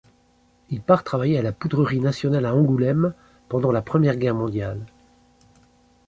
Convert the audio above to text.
Il part travailler à la Poudrerie Nationale à Angoulême pendant la Première Guerre mondiale.